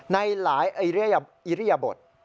ในหลายอิริยบท